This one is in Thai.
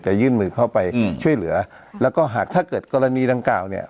ยื่นมือเข้าไปช่วยเหลือแล้วก็หากถ้าเกิดกรณีดังกล่าวเนี่ย